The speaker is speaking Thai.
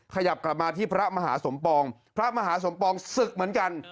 ขยับกลับมาที่พระมหาสมปองพระมหาสมปองศึกเหมือนกัน